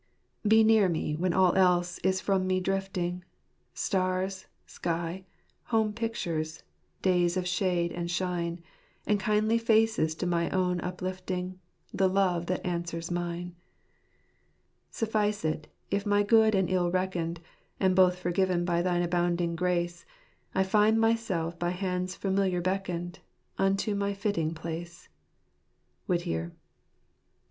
'* Be near me when all else is from me drifting, Stars, sky, home pictures, days of shade and shine, And kindly faces to my own uplifting, The love that answers mine. ■' Suffice it, if my good and ill unreckoned. And both forgiven by Thine abounding grace, I find myself by hands familiar beckoned, Unto my fitting place." Whittier.